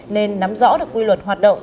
nên nắm rõ được quy luật hoạt động